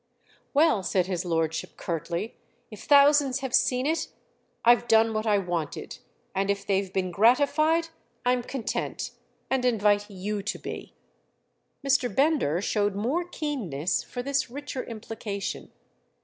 "Well," said his lordship curtly, "if thousands have seen it I've done what I wanted, and if they've been gratified I'm content—and invite you to be." Mr. Bender showed more keenness for this richer implication.